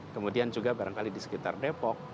kemudian juga barangkali di sekitar depok